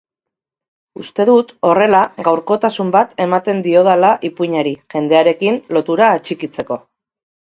Uste dut horrela gaurkotasun bat ematen diotala ipuinari, jendearekin lotura atxikitzeko.